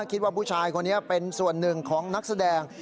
คิดว่าผู้ชายคนนี้เป็นส่วนหนึ่งของนักแสดง